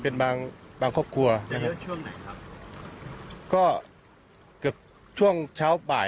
ในพื้นที่ส่วนใหญ่